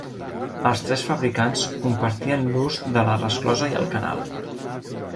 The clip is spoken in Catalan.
Els tres fabricants compartien l'ús de la resclosa i el canal.